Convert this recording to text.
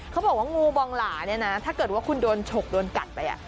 เขาบอกว่างูบองหลาเนี่ยนะถ้าเกิดว่าคุณโดนฉกโดนกัดไป